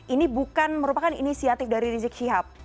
ini bukan merupakan inisiatif dari rizik syihab